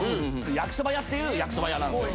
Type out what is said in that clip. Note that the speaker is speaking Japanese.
「やきそば屋」っていうやきそば屋なんですよ